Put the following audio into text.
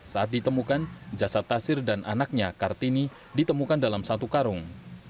saat ditemukan jasad tasir dan anaknya kartini ditemukan dalam satu karung